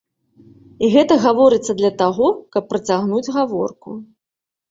І гэта гаворыцца для таго, каб працягнуць гаворку.